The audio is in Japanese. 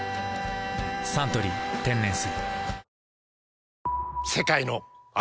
「サントリー天然水」